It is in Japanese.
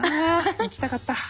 行きたかった。